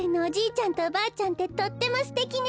ちゃんとおばあちゃんってとってもすてきね。